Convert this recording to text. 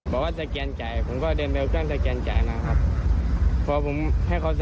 บอกว่าสแกนจ่ายผมก็สแกนจ่ายนะครับ